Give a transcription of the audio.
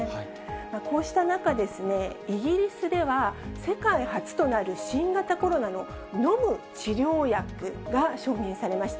こうした中、イギリスでは、世界初となる新型コロナの飲む治療薬が承認されました。